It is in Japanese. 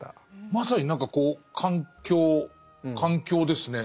まさに何かこう環境環境ですね。